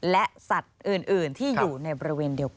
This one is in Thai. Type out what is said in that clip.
และสัตว์อื่นที่อยู่ในบริเวณเดียวกัน